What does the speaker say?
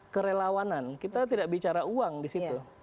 kerelawanan kita tidak bicara uang di situ